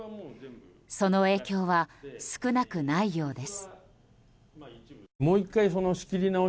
その影響は少なくないようです。